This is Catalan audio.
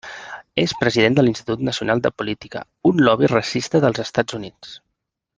És president de l'Institut Nacional de Política, un lobby racista dels Estats Units.